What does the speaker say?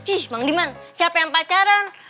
ih bang diman siapa yang pacaran